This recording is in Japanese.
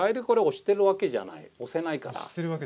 押せないから。